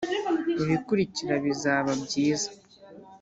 ibikurikira bizaba byiza